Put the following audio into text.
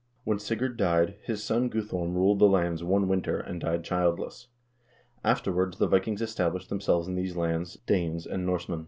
When Sigurd died, "his son Guthorm ruled the lands one winter, and died childless. Afterwards the Vikings established themselves in these lands, Danes and Norsemen."